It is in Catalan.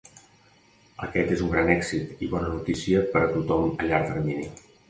Aquest és un gran èxit i bona notícia per a tothom a llarg termini.